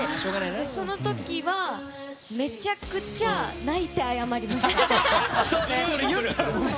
その時はめちゃくちゃ泣いて謝りました。